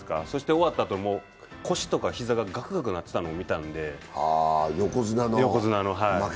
終わったあと、もう腰とか膝がガクガクなってたのを見てたので、横綱の。